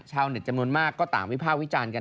ชาวแนวจำนวนมากตามวิภาพวิจารณ์กัน